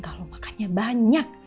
kalau makannya banyak